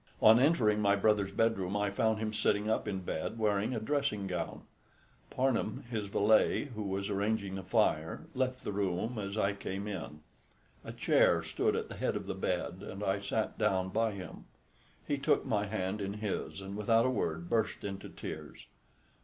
On entering my brother's bedroom I found him sitting up in bed wearing a dressing gown. Parnham, his valet, who was arranging the fire, left the room as I came in. A chair stood at the head of the bed and I sat down by him. He took my hand in his and without a word burst into tears.